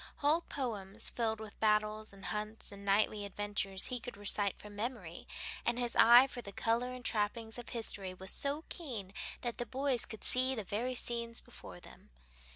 Whole poems, filled with battles and hunts and knightly adventures, he could recite from memory, and his eye for the color and trappings of history was so keen that the boys could see the very scenes before them.